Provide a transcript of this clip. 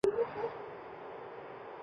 独居性。